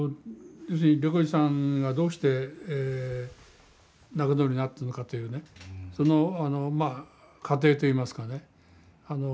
要するにレコジさんがどうして亡くなるようになったのかというねそのまあ過程といいますかねあの。